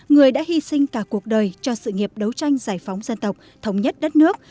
người đã hy sinh cả cuộc đời cho sự nghiệp đấu tranh giải phóng dân tộc thống nhất đất nước